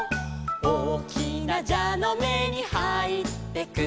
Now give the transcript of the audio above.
「おおきなじゃのめにはいってく」